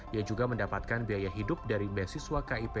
ia juga mendapatkan biaya hidup dari beasiswa kip